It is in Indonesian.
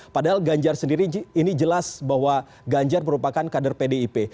padahal ganjar sendiri ini jelas bahwa ganjar merupakan kader pdip